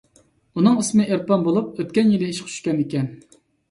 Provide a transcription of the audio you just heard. ئۇنىڭ ئىسمى ئېرپان بولۇپ، ئۆتكەن يىلى ئىشقا چۈشكەن ئىكەن.